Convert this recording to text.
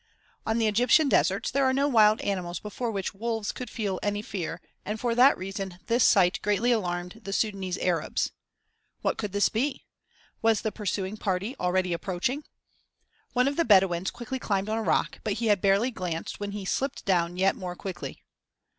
On the Egyptian deserts there are no wild animals before which wolves could feel any fear and for that reason this sight greatly alarmed the Sudânese Arabs. What could this be? Was the pursuing party already approaching? One of the Bedouins quickly climbed on a rock, but he had barely glanced when he slipped down yet more quickly.